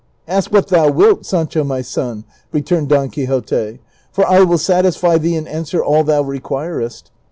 " Ask what thou wilt, Sancho my son," returned Don Quixote, " for I will satisfy thee and answer all thou requirest.